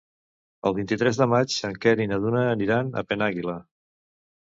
El vint-i-tres de maig en Quer i na Duna aniran a Penàguila.